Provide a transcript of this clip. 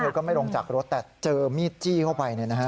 เธอก็ไม่ลงจากรถแต่เจอมีดจี้เข้าไปเลยนะครับ